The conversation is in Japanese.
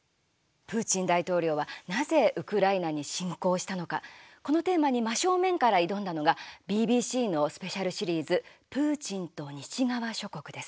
プーチン大統領はなぜウクライナに侵攻したのかこのテーマに真正面から挑んだのがＢＢＣのスペシャルシリーズ「プーチンと西側諸国」です。